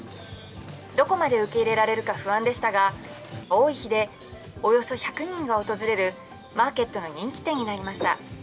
どこまで受け入れられるか不安でしたが、多い日でおよそ１日１００人が訪れる人気店になりました。